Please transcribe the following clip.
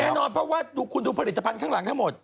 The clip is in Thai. แน่นอนเพราะว่าคุณดูผลิตภัณฑ์ข้างหลังทั้งหมด